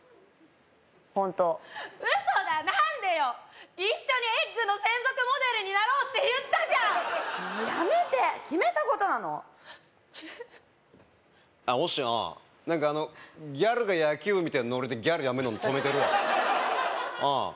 ホント嘘だ何でよ一緒に「ｅｇｇ」の専属モデルになろうって言ったじゃんもうやめて決めたことなのあっもっしうん何かあのギャルが野球みたいなノリでギャルやめんの止めてるわおう